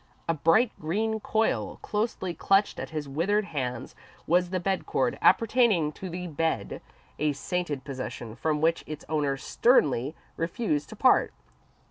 A bright green coil closely clutched in his withered hands was the bed cord appertaining to the bed a sainted possession from which its owner sternly refused to part.